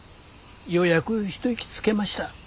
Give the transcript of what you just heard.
ようやく一息つけました。